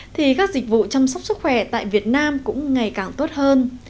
thì các dịch vụ chăm sóc sức khỏe tại việt nam cũng ngày càng tốt hơn